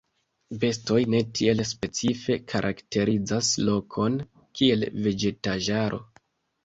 Bestoj ne tiel specife karakterizas lokon kiel vegetaĵaro.